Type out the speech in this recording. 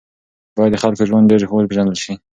باید د خلکو د ژوند ډول وپېژندل سي.